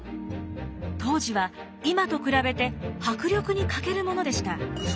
当時は今と比べて迫力に欠けるものでした。